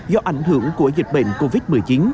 do ảnh hưởng của dịch bệnh covid một mươi chín